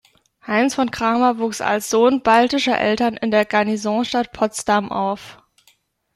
Heinz von Cramer wuchs als Sohn baltischer Eltern in der Garnisonsstadt Potsdam auf.